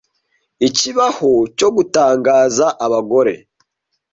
ikibaho cyo gutangaza abagore